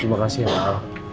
terima kasih ya mama